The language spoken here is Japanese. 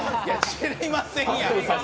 知りませんやん！